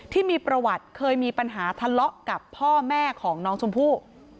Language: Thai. ที่มีประวัติเคยมีปัญหาทะเลาะกับพ่อแม่ของน้องชมพู่